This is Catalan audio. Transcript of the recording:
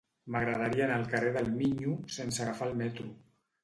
M'agradaria anar al carrer del Miño sense agafar el metro.